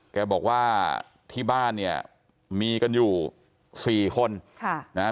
แกบอกว่าที่บ้านเนี่ยมีกันอยู่สี่คนค่ะนะฮะ